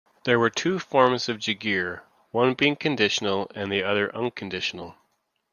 There were two forms of "jagir", one being conditional and the other unconditional.